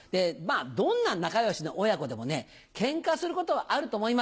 どんな仲良しの親子でもねケンカすることはあると思います。